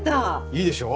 いいでしょ？